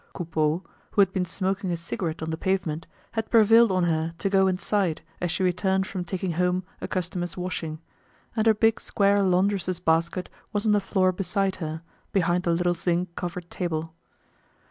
Coupeau, who had been smoking a cigarette on the pavement, had prevailed on her to go inside as she returned from taking home a customer's washing; and her big square laundress's basket was on the floor beside her, behind the little zinc covered table.